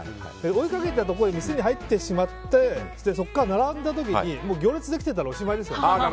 追いかけたところで店に入ってしまってそこから並んだ時に行列できてたらおしまいですよね。